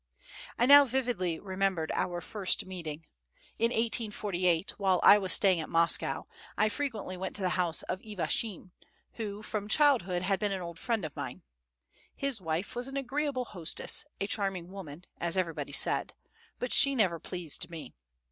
I now vividly remembered our first meeting. In 1848, while I was staying at Moscow, I frequently went to the house of Ivashin, who from childhood had been an old friend of mine. His wife was an agreeable hostess, a charming woman, as everybody said; but she never pleased me.